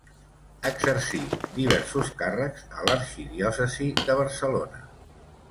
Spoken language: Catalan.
Exercí diversos càrrecs a l'arxidiòcesi de Barcelona.